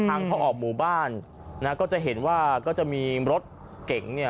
ทางพอออกหมู่บ้านนะก็จะเห็นว่าก็จะมีรถเก่งเนี่ย